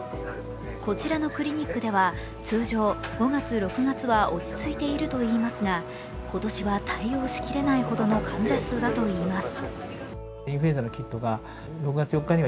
こちらのクリニックでは通常、５月、６月は落ち着いているといいますが、今年は対応しきれないほどの患者数だといいます。